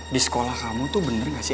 di sekolah kamu tuh bener gak sih